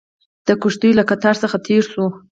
د کښتیو له قطار څخه تېر شوو.